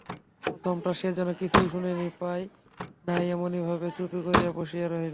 প্রথমটা, সে যেন কিছুই শুনিতে পায় নাই এমনিভাবে চুপ করিয়া বসিয়া রহিল।